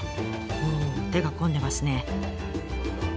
うん手が込んでますね。